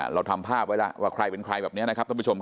เราทำภาพไว้แล้วว่าใครเป็นใครแบบนี้นะครับท่านผู้ชมครับ